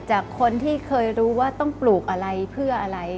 จากคนที่เคยรู้ว่าต้องปลูกอะไรเพื่ออะไร